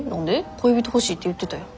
恋人欲しいって言ってたやん。